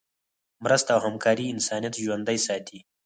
مرسته او همکاري انسانیت ژوندی ساتي.